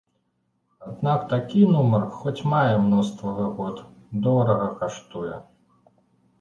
Аднак такі нумар, хоць мае мноства выгод, дорага каштуе.